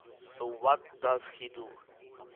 So what does he do?